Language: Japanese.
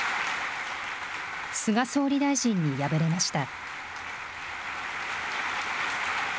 菅総理大臣に敗れました。